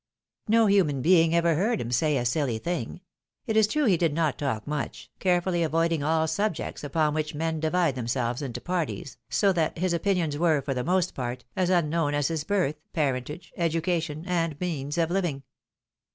No human being ever heard him say a silly thing ; it is true he did not talk much, carefully avoiding all subjects upon which men divide themselves into parties, so that his opinions were, for the most part, as unknown as his birth, parentage, educa tion, and means of living.